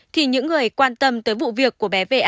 thì những người quan tâm tới vụ việc